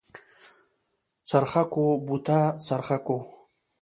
څرخکو بوته څرخکو.